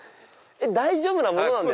大丈夫なものなんですか？